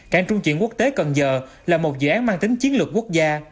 cảng trung chuyển quốc tế cần giờ là một dự án mang tính chiến lược quốc gia